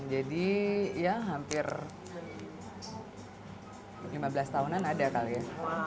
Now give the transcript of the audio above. jadi ya hampir lima belas tahunan ada kali ya